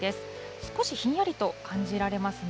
少しひんやりと感じられますね。